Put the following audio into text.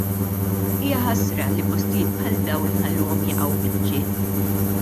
Hija ħasra li postijiet bħal dawn inħalluhom jaqgħu biċċiet!